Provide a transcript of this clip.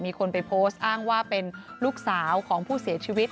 มีคนไปโพสต์อ้างว่าเป็นลูกสาวของผู้เสียชีวิต